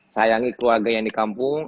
sayangi keluarga yang di kampung